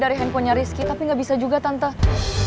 tadi tuh disini ada demonstrasi